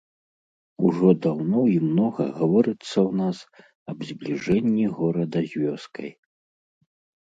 Ужо даўно і многа гаворыцца ў нас аб збліжэнні горада з вёскай.